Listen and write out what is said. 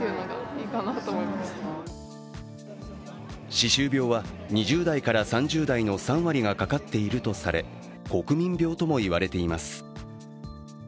歯周病は２０代から３０代の３割がかかっているとされ国民病ともいわれています。